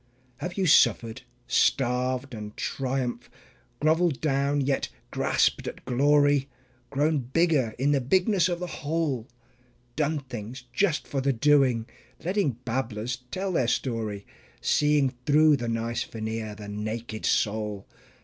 Have you suffered, starved and triumphed, groveled down, yet grasped at glory, Grown bigger in the bigness of the whole? "Done things" just for the doing, letting babblers tell the story, Seeing through the nice veneer the naked soul?